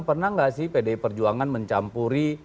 pernah nggak sih pdi perjuangan mencampuri